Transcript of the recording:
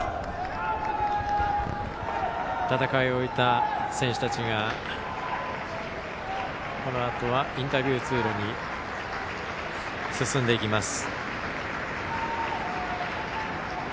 戦いを終えた選手たちがこのあとはインタビュー通路に進みます。